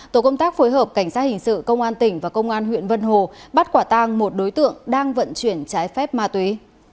tổ công tác phối hợp cảnh sát hình sự công an tỉnh và công an huyện vân hồ bắt quả tang một đối tượng đang vận chuyển trái phép ma túy